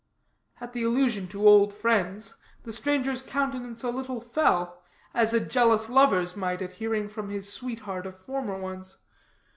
At the allusion to old friends, the stranger's countenance a little fell, as a jealous lover's might at hearing from his sweetheart of former ones.